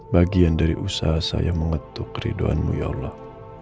bagian dari usaha saya mengetuk keriduan mu ya allah